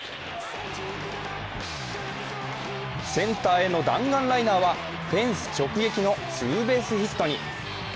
センターへの弾丸ライナーはフェンス直撃のツーベースヒットに。